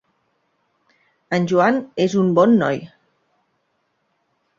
En Joan és un bon noi.